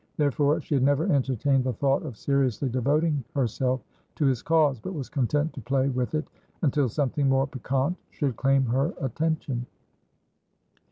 Therefore she had never entertained the thought of seriously devoting herself to his cause, but was content to play with it until something more piquant should claim her attention.